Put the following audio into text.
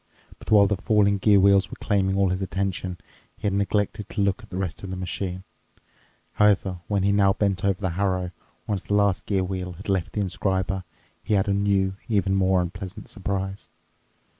But while the falling gear wheels were claiming all his attention, he had neglected to look at the rest of the machine. However, when he now bent over the harrow, once the last gear wheel had left the inscriber, he had a new, even more unpleasant surprise.